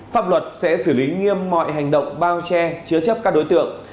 pháp luật sẽ xử lý nghiêm mọi hành động bao che chứa chấp các đối tượng